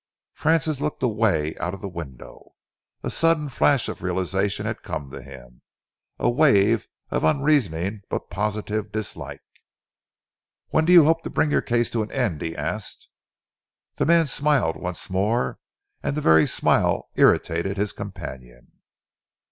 Francis looked away out of the window. A sudden flash of realisation had come to him, a wave of unreasoning but positive dislike. "When do you hope to bring your case to an end?" he asked. The man smiled once more, and the very smile irritated his companion.